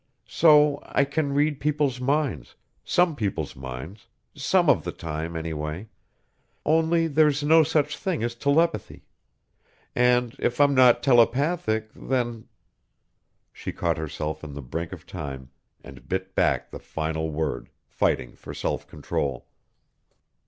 So I can read people's minds some people's minds, some of the time, anyway ... only there's no such thing as telepathy. And if I'm not telepathic, then...." She caught herself in the brink of time and bit back the final word, fighting for self control.